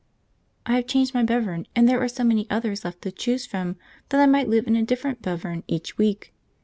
I have changed my Belvern, and there are so many others left to choose from that I might live in a different Belvern each week.